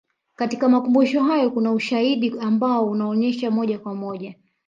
katika makumbusho hayo kuna ushahidi ambao unaonesha moja kwa moja